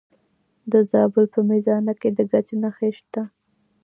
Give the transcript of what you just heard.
د زابل په میزانه کې د ګچ نښې شته.